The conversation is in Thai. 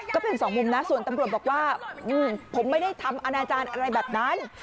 ก็เป็นสองมุมนะส่วนตำรวจบอกว่าผมไม่ได้ทำอนาจารย์อะไรแบบนั้น